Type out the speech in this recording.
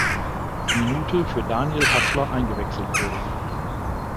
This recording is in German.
Minute für Daniel Hasler eingewechselt wurde.